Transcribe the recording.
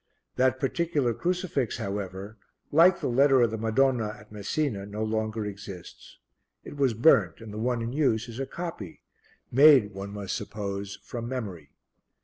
That particular crucifix, however, like the letter of the Madonna at Messina, no longer exists; it was burnt and the one in use is a copy, made, one must suppose, from memory.